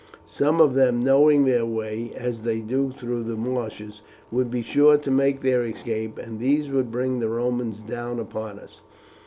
Some of them, knowing their way as they do through the marshes, would be sure to make their escape, and these would bring the Romans down upon us.